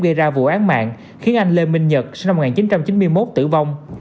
gây ra vụ án mạng khiến anh lê minh nhật sinh năm một nghìn chín trăm chín mươi một tử vong